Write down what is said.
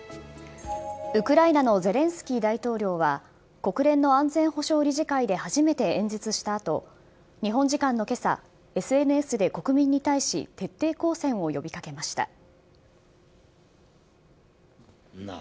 ウクライナのゼレンスキー大統領は国連の安全保障理事会で初めて演説した後日本時間の今朝ＳＮＳで、国民に対し徹底抗戦を呼び掛けました。